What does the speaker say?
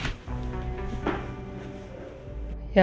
ya allah dimarah al sekarang